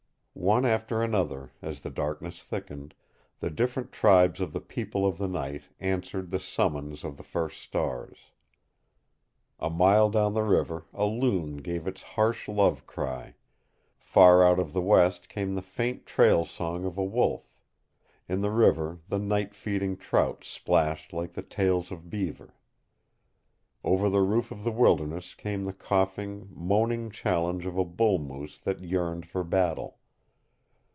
One after another, as the darkness thickened, the different tribes of the people of the night answered the summons of the first stars. A mile down the river a loon gave its harsh love cry; far out of the west came the faint trail song of a wolf; in the river the night feeding trout splashed like the tails of beaver; over the roof of the wilderness came the coughing, moaning challenge of a bull moose that yearned for battle.